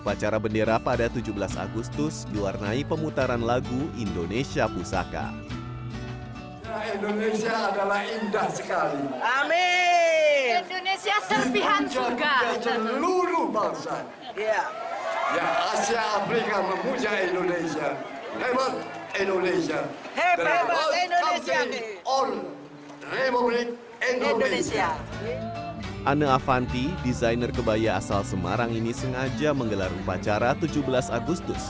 pergebaya asal semarang ini sengaja menggelar upacara tujuh belas agustus